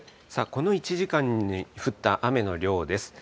この１時間に降った雨の量です。